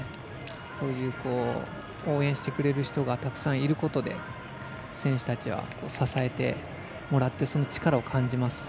そういう、応援してくれる人がたくさんいることで選手たちは支えてもらってその力を感じます。